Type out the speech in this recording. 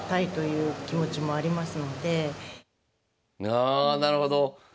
ああなるほど。